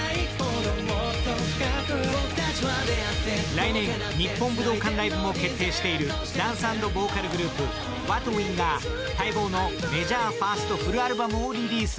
来年、日本武道館ライブも決定しているダンス＆ボーカルグループＷＡＴＷＩＮＧが待望のメジャーファーストフルアルバムをリリース！